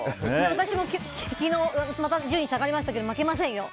私も、また順位下がりましたが負けませんよ。